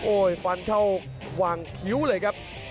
โอ้โหฟันเข้าวางคิ้วเลยครับ